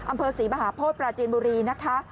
อำเภอศรีมหาโพธิปราจีนบุรีนะคะ